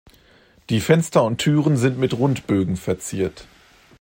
Die Fenster und Türen sind mit Rundbögen verziert.